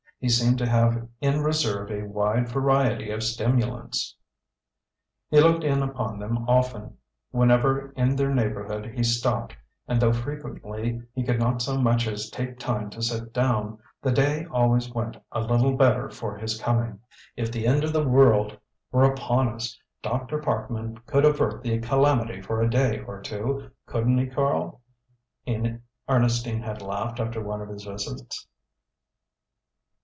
He seemed to have in reserve a wide variety of stimulants. He looked in upon them often. Whenever in their neighbourhood he stopped, and though frequently he could not so much as take time to sit down, the day always went a little better for his coming. "If the end of the world were upon us, Dr. Parkman could avert the calamity for a day or two couldn't he, Karl?" Ernestine had laughed after one of his visits.